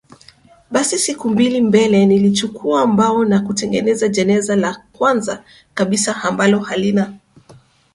Basi siku mbili mbele nilichukua mbao na kutengeneza jeneza la kwanza kabisa ambalo halina